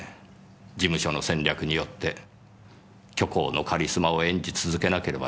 事務所の戦略によって虚構のカリスマを演じ続けなければならない事に。